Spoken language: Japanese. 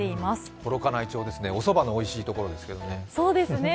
幌加内町、おそばのおいしいところですけどね。